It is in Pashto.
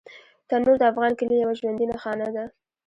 تنور د افغان کلي یوه ژوندي نښانه ده